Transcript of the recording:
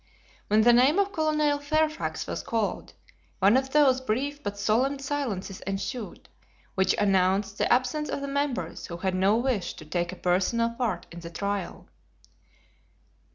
When the name of Colonel Fairfax was called, one of those brief but solemn silences ensued, which announced the absence of the members who had no wish to take a personal part in the trial.